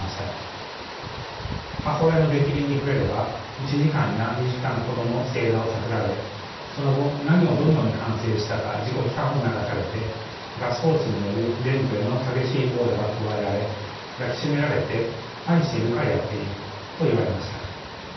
母親の逆鱗に触れれば１時間や２時間ほどの正座をさせられその後何をどのように反省したか自己批判を促されてガスホースによるでん部への激しい殴打が加えられ抱き締められて「愛しているからやっている」と言われました。